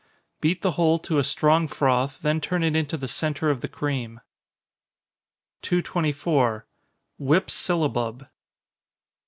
Beat the whole to a strong froth, then turn it into the centre of the cream. 224. _Whip Syllabub.